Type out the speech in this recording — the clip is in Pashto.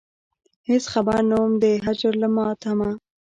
هېڅ خبر نه وم د هجر له ماتمه.